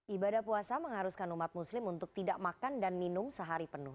ibadah puasa mengharuskan umat muslim untuk tidak makan dan minum sehari penuh